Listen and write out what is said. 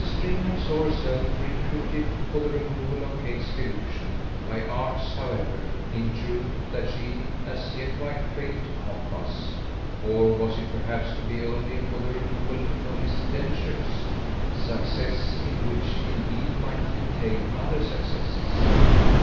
Stringham saw herself recruited for the removal of Kate's delusion by arts, however, in truth, that she as yet quite failed to compass. Or was it perhaps to be only for the removal of Mr. Densher's? success in which indeed might entail other successes.